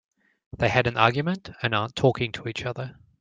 They had an argument and aren't talking to each other.